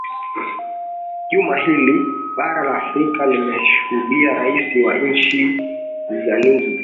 juma hili bara la afrika limeshuhudia raia wa nchi za niger